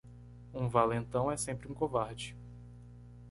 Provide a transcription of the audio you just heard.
Um valentão é sempre um covarde.